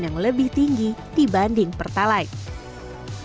yang lebih tinggi dibanding pertalite